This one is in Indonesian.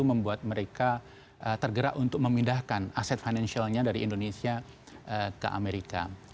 membuat mereka tergerak untuk memindahkan aset financialnya dari indonesia ke amerika